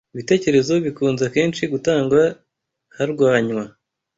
Ibitekerezo bikunze akenshi gutangwa harwanywa